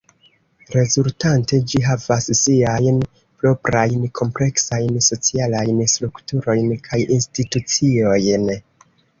Rezultante ĝi havas siajn proprajn kompleksajn socialajn strukturojn kaj instituciojn.